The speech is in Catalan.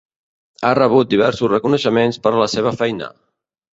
Ha rebut diversos reconeixements per la seva feina.